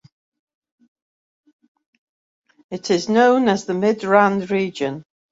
It is known as the Midrand region.